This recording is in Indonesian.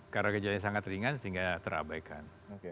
karena gejalanya sangat ringan sehingga terabaikan